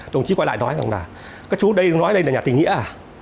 đồng chí quay lại nói rằng là các chú đây nói đây là nhà tình nghĩa à